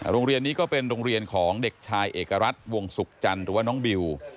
โรงเรียนนี้ก็เป็นโรงเรียนของเด็กชายเอกรัฐวงศุกร์จันทร์หรือว่าน้องบิว